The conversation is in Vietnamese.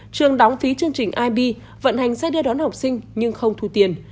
trường đóng phí chương trình ib vận hành xe đưa đón học sinh nhưng không thu tiền